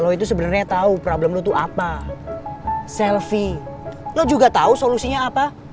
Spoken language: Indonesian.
lo itu sebenernya tau problem lo tuh apa selvi lo juga tau solusinya apa